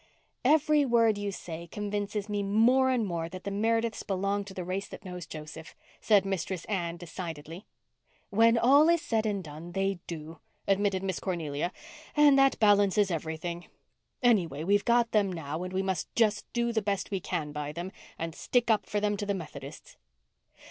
"Every word you say convinces me more and more that the Merediths belong to the race that knows Joseph," said Mistress Anne decidedly. "When all is said and done, they do," admitted Miss Cornelia. "And that balances everything. Anyway, we've got them now and we must just do the best we can by them and stick up for them to the Methodists.